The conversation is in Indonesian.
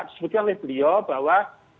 sebutkan oleh beliau bahwa